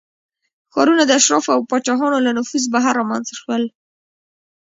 ښارونه د اشرافو او پاچاهانو له نفوذ بهر رامنځته شول